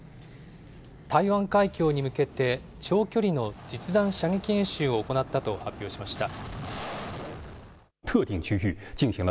台湾海峡に向けて、長距離の実弾射撃演習を行ったと発表しました。